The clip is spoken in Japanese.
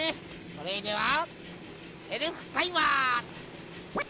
それではセルフタイマーオン！